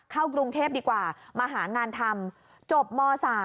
เข้ากรุงเทพดีกว่ามาหางานทำจบม๓